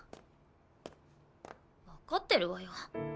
わかってるわよ。